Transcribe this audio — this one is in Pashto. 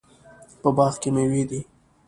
په باغ کې میوې دي